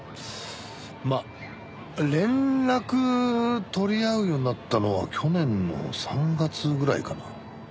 まあ連絡取り合うようになったのは去年の３月ぐらいかな。